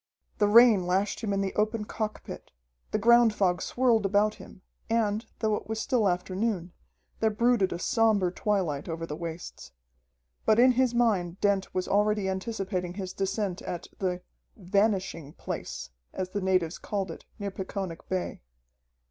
The rain lashed him in the open cockpit, the ground fog swirled about him, and, though it was still afternoon, there brooded a somber twilight over the wastes. But in his mind Dent was already anticipating his descent at the "Vanishing Place," as the natives called it near Peconic Bay.